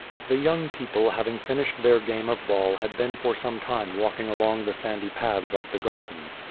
The young people having finished their game of ball had been for some time walking along the sandy paths of the garden.